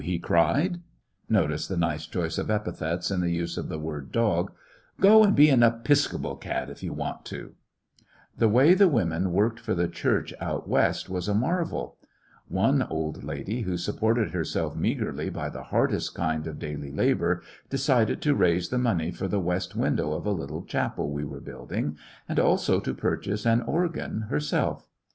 he cried^— notice the nice choice of epithets in the use of the word "dogj"— "go and be an Episcopal cat if you want to I " The way the women worked for the Church out "West was a marvel. One old lady who 85 Af! Episcopal cat Viei armis }i ^ecoUections of a supported herself meagrely by the hardest kind of daily labor decided to raise the money for the west window of a little chapel we were building, and also to purchase an organ, herself.